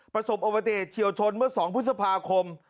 ประสบโอปเตศเชียวชนเมื่อ๒พฤษภาคม